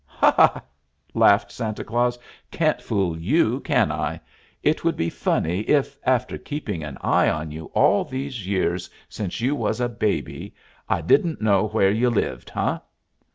"Ha, ha!" laughed Santa Claus. "Can't fool you, can I? It would be funny if, after keeping an eye on you all these years since you was a babby, I didn't know where you lived, eh?"